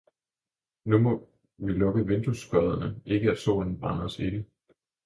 Nu må vi lukke vinduesskodderne at ikke solen brænder os inde!